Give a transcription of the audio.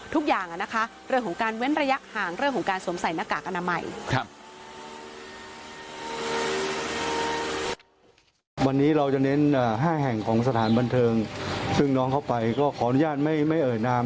ทุกอย่างนะคะเรื่องของการเว้นระยะห่างเรื่องของการสวมใส่หน้ากากอนามัย